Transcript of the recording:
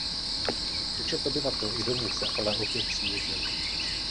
Počet obyvatel i domů se ale opět snížil.